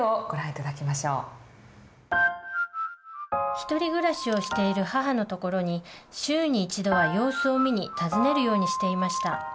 ひとり暮らしをしている母の所に週に一度は様子を見に訪ねるようにしていました。